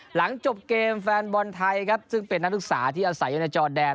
หลังจบเกมแฟนบอลไทยครับซึ่งเป็นนักศึกษาที่อาศัยอยู่ในจอแดน